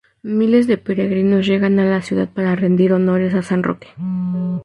Miles de peregrinos llegan a la ciudad para rendir honores a San Roque.